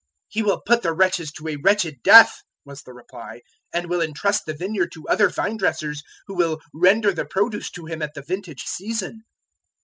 021:041 "He will put the wretches to a wretched death," was the reply, "and will entrust the vineyard to other vine dressers who will render the produce to him at the vintage season."